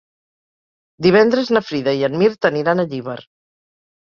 Divendres na Frida i en Mirt aniran a Llíber.